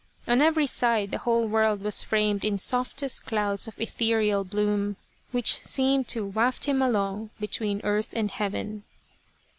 On every side the whole world was framed in softest clouds of ethereal bloom, which seemed to waft him along between earth and heaven.